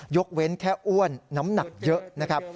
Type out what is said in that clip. ยกเว้นแค่อ้วนน้ำหนักเยอะนะครับ